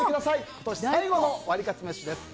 今年最後のワリカツめしです。